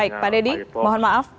baik pak deddy mohon maaf